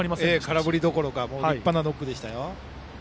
空振りどころか本当に立派なノックでしたよ。